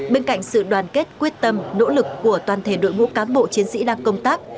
bên cạnh sự đoàn kết quyết tâm nỗ lực của toàn thể đội ngũ cán bộ chiến sĩ đang công tác